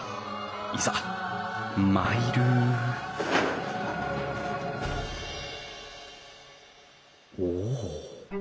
いざ参るお。